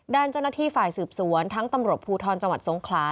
ด้านเจ้าหน้าที่ฝ่ายสืบสวนทั้งตำรวจภูทรจังหวัดสงขลา